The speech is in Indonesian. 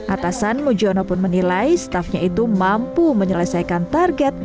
atasan mujono pun menilai staffnya itu mampu menyelesaikan target